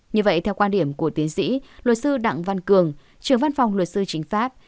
như vậy theo quan điểm của tiến sĩ luật sư đặng văn cường trưởng văn phòng luật sư chính pháp